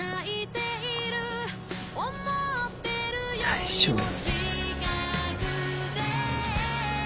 大丈夫。